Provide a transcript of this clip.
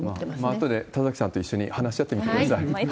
あとで田崎さんと一緒に話し合ってみてください。